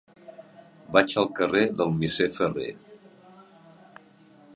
Vaig al carrer del Misser Ferrer.